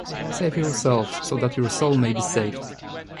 Save yourselves so that your soul may be saved.